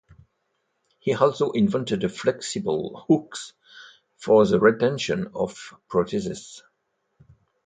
He also invented flexible hooks for the retention of prostheses.